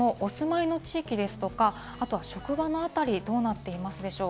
皆さんのお住まいの地域ですとか、あとは職場の辺りはどうなっていますか？